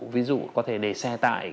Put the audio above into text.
ví dụ có thể để xe tại